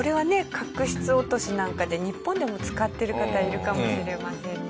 角質落としなんかで日本でも使ってる方いるかもしれませんね。